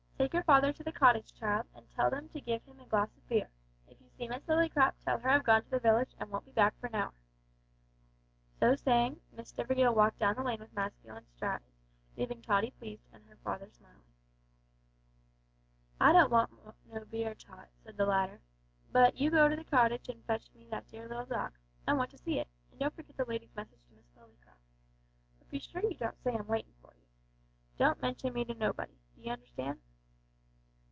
"Take your father to the cottage, child, and tell them to give him a glass of beer. If you see Miss Lillycrop, tell her I've gone to the village, and won't be back for an hour." So saying, Miss Stivergill walked down the lane with masculine strides, leaving Tottie pleased, and her father smiling. "I don't want no beer, Tot," said the latter. "But you go to the cottage and fetch me that dear little dog. I want to see it; and don't forget the lady's message to Miss Lillycrop but be sure you don't say I'm waitin' for you. Don't mention me to nobody. D'ee understand?"